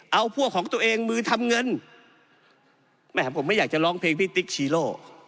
เอาพวกของตัวเองมือทำเงินแหมผมไม่อยากจะร้องเพลงพี่ติ๊กชีโร่